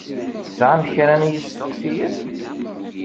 Tesεam kra n yisteqsiyen?